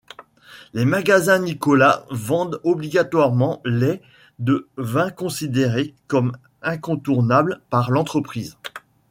Les magasins Nicolas vendent obligatoirement les de vin considérées comme incontournables par l'entreprise.